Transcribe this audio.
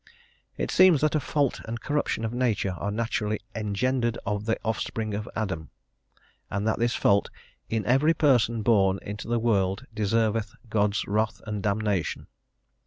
It seems that a fault and corruption of Nature are naturally "engendered of the offspring of Adam," and that this fault "in every person born into the world deserveth God's wrath and damnation."